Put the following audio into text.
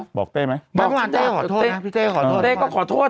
ฮะบอกเต้ไหมบอกพี่เต้ขอโทษนะพี่เต้ขอโทษพี่เต้ก็ขอโทษ